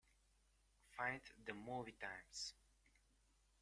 Find the movie times.